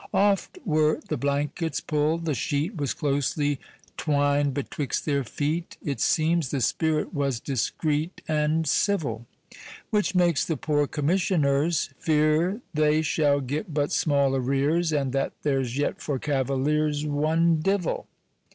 Oft were the blankets pul'd, the sheete Was closely twin'd betwixt their feete, It seems the spirit was discreete And civill. Which makes the poore Commissioners Feare they shall get but small arreares, And that there's yet for cavaliers One divell.